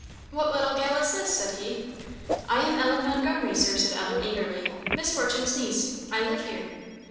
"What little gal is this?" said he. "I am Ellen Montgomery, Sir," said Ellen, eagerly, "Miss Fortune's niece I live here."